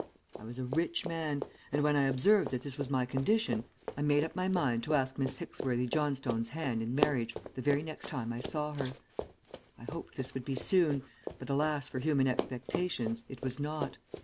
I was a rich man, and when I observed that this was my condition, I made up my mind to ask Miss Hicksworthy Johnstone's hand in marriage the very next time I saw her. I hoped this would be soon, but, alas for human expectations, it was not.